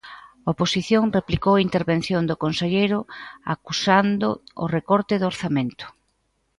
A oposición replicou a intervención do conselleiro acusando o recorte de orzamento.